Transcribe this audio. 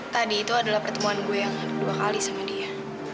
tadi itu adalah pertemuan gue yang dua kali sama dia